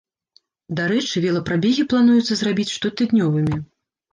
Дарэчы, велапрабегі плануецца зрабіць штотыднёвымі.